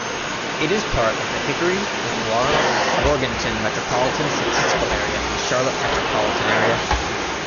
It is part of the Hickory-Lenoir-Morganton Metropolitan Statistical Area and Charlotte Metropolitan Area.